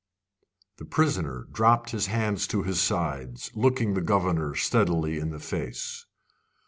The prisoner dropped his hands to his sides, looking the governor steadily in the face.